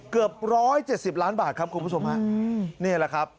เกือบ๑๗๐ล้านบาทครับคุณผู้สมภานี่แหละครับ